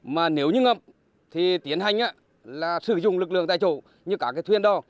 mà nếu như ngập thì tiến hành là sử dụng lực lượng tại chỗ như cả cái thuyên đó